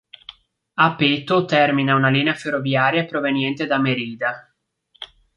A Peto termina una linea ferroviaria proveniente da Mérida.